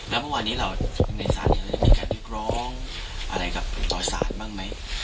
แล้วเมื่อวานนี้เราในศาลมีการเรียกร้องอะไรกับต่อสารบ้างไหม